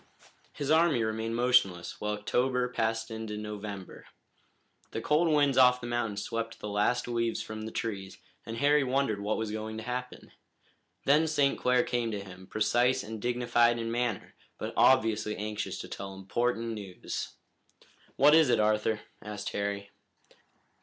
His army remained motionless while October passed into November. The cold winds off the mountains swept the last leaves from the trees, and Harry wondered what was going to happen. Then St. Clair came to him, precise and dignified in manner, but obviously anxious to tell important news. "What is it, Arthur?" asked Harry.